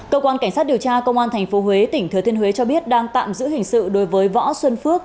cơ quan cảnh sát điều tra công an tp huế tỉnh thừa thiên huế cho biết đang tạm giữ hình sự đối với võ xuân phước